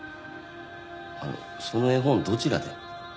あのその絵本どちらで？